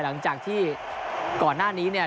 หลังจากที่ก่อนหน้านี้เนี่ย